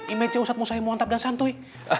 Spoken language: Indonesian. image nya usahanya muantap dan santuy